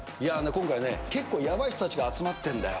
今回ね、結構、やばい人たちが集まってるんだよ。